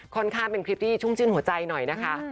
ค่อนข้างเป็นคลิปที่ชุ่มชื่นหัวใจหน่อยนะคะ